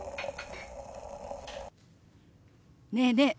ねえねえ